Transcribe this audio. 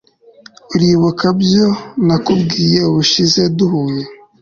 uribuka ibyo nakubwiye ubushize duhuye